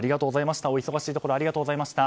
お忙しいところありがとうございました。